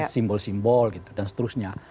simbol simbol dan seterusnya